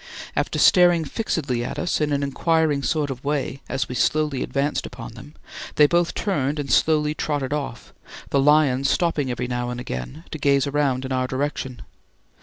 After staring fixedly at us in an inquiring sort of way as we slowly advanced upon them, they both turned and slowly trotted off, the lion stopping every now and again to gaze round in our direction.